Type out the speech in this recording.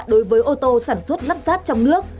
đối với ô tô sản xuất lắp ráp trong nước